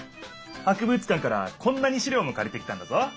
博物館からこんなにしりょうもかりてきたんだぞ。